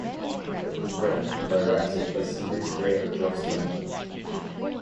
It was written and directed by series creator Joss Whedon.